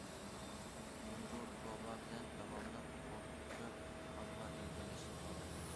جۇڭگو كۇبا بىلەن داۋاملىق قول تۇتۇشۇپ ئالغا ئىلگىرىلەشنى خالايدۇ.